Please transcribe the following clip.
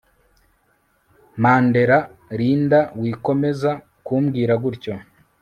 Mandela Linda wikomeza kumbwira gutyo